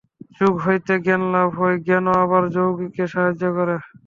যোগ হইতে জ্ঞান লাভ হয়, জ্ঞানও আবার যোগীকে সাহায্য করে।